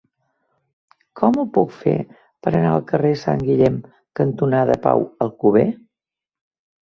Com ho puc fer per anar al carrer Sant Guillem cantonada Pau Alcover?